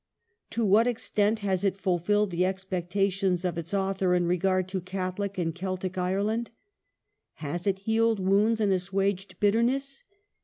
To what extent has it fulfilled the expectations of its author in regard to Catholic and Celtic Ireland ? Has it healed wounds and assuaged bitterness